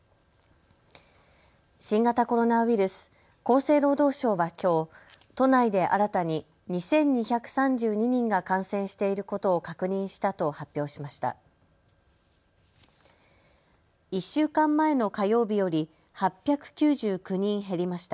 新型コロナウイルス、厚生労働省はきょう都内で新たに２２３２人が感染していることを確認したと発表しました。